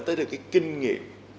tới từ cái kinh nghiệm